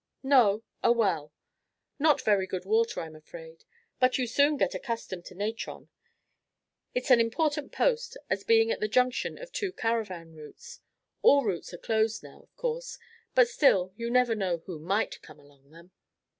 "No, a well. Not very good water, I'm afraid, but you soon get accustomed to natron. It's an important post, as being at the junction of two caravan routes. All routes are closed now, of course, but still you never know who might come along them."